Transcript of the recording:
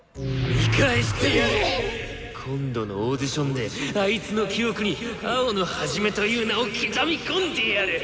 今度のオーディションであいつの記憶に青野一という名を刻み込んでやる！